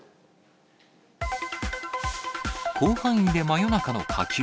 広範囲で真夜中の火球。